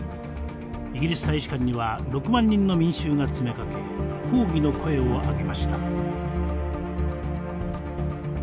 イギリス大使館には６万人の民衆が詰めかけ抗議の声を上げました。